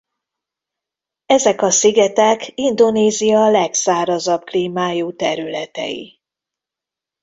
Ezek a szigetek Indonézia legszárazabb klímájú területei.